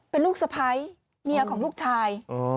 เป็นลูกสะพ้ายเมียของลูกชาย